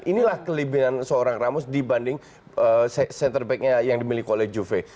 inilah kelebihan seorang ramos dibanding center back nya yang dimiliki oleh juve